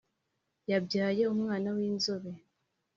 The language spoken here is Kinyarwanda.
Yabyaye umwana winzobe cyane